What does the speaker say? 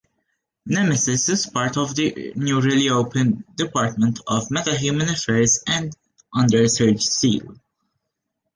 Nemesis is part of the newly re-opened Department of Metahuman Affairs under Sarge Steel.